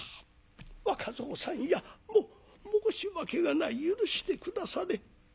「若蔵さんやもっ申し訳がない許して下され。